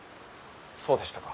そうでしたか。